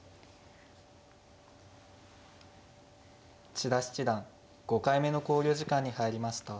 千田七段５回目の考慮時間に入りました。